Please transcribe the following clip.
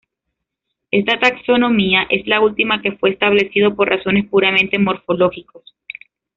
Esta taxonomía es la última que fue establecido por razones puramente morfológicos.